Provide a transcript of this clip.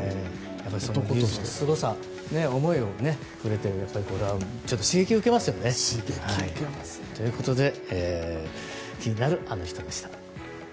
技術とそのすごさ、思いに刺激を受けますよね。ということで気になるアノ人でした。